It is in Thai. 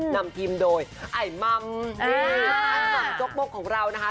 นำทีมโดยไอม่ำอันสั่งโจ๊กโมกของเรานะคะ